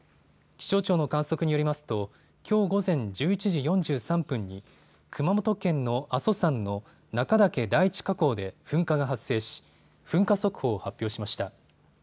気象庁の観測によりますときょう午前１１時４３分に熊本県の阿蘇山の中岳第一火口で噴火が発生し噴火速報を発表しました。